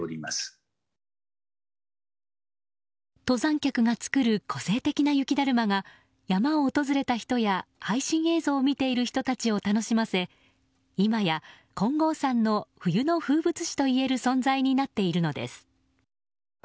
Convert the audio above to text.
登山客が作る個性的な雪だるまが山を訪れた人や配信映像を見ている人たちを楽しませ、今や金剛山の冬の風物詩と言える存在になっているのです。